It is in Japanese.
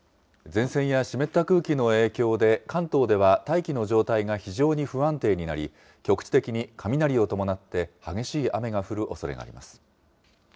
前線や湿った空気の影響で、関東では大気の状態が非常に不安定になり、局地的に雷を伴って、激しい雨が降るおそれがあります。